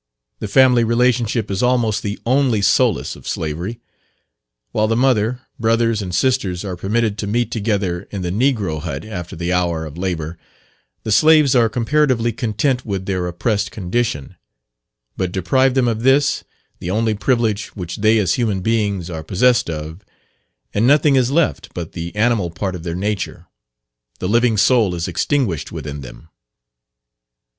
The family relationship is almost the only solace of slavery. While the mother, brothers, and sisters are permitted to meet together in the negro hut after the hour of labour, the slaves are comparatively content with their oppressed condition; but deprive them of this, the only privilege which they as human beings are possessed of, and nothing is left but the animal part of their nature the living soul is extinguished within them.